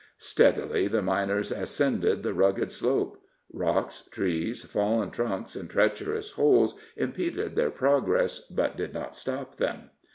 Steadily the miners ascended the rugged slope; rocks, trees, fallen trunks and treacherous holes impeded their progress, but did not stop them.